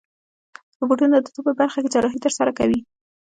روبوټونه د طب په برخه کې جراحي ترسره کوي.